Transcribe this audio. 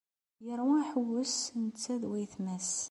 Yeṛwa aḥewwes netta d wayetma-s.